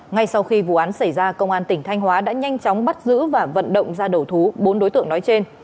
ngay sau khi vụ án xảy ra công an tỉnh thanh hóa đã nhanh chóng bắt giữ và vận động ra đầu thú bốn đối tượng nói trên